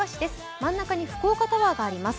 真ん中に福岡タワーがあります。